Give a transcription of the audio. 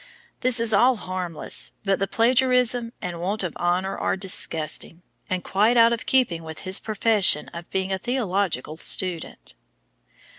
This is all harmless, but the plagiarism and want of honor are disgusting, and quite out of keeping with his profession of being a theological student.